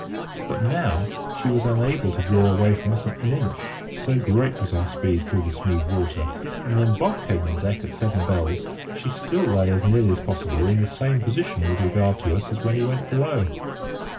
But now she was unable to draw away from us an inch, so great was our speed through the smooth water; and when Bob came on deck at "seven bells," she still lay as nearly as possible in the same position with regard to us as when he went below.